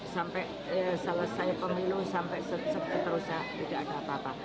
sampai selesai pemilu sampai seterusnya tidak ada apa apa